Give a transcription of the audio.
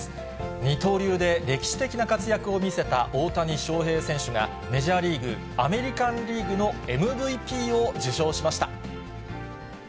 二刀流で歴史的な活躍を見せた大谷翔平選手が、メジャーリーグ・アメリカンリーグのＭＶＰを受賞しました。